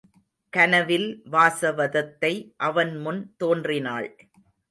கனவில் வாசவதத்தை அவன் முன்பு தோன்றினாள்.